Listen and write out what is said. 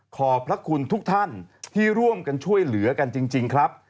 ขอบพระคุณทุกท่านที่ร่วมกันช่วยเหลือกันจริงครับ